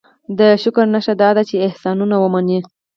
دې شکر نښه دا ده چې احسانونه ومني.